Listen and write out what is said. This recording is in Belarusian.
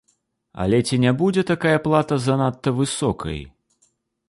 Але ці не будзе такая плата занадта высокай?